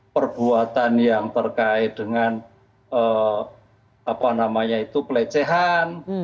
perbuatan yang terkait dengan pelecehan